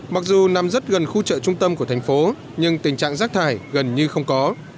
mặc dù nằm rất gần khu chợ trung tâm của thành phố nhưng tình trạng rác thải gần như không có